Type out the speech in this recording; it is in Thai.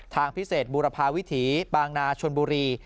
ทางพิเศษบูรพาวิถีบางนาชนบุรี